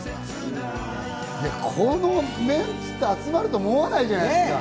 このメンバー集まると思わないじゃないですか。